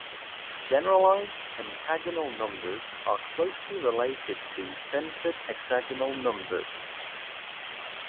Generalized pentagonal numbers are closely related to centered hexagonal numbers.